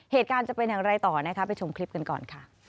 เหตุการณ์จะเป็นอย่างไรต่อนะคะไปชมคลิปกันก่อนค่ะ